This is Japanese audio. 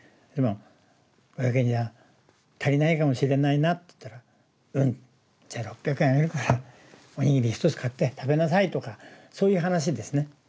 「でも５００円じゃ足りないかもしれないな」って言ったら「うんじゃあ６００円あげるからおにぎり１つ買って食べなさい」とかそういう話ですね。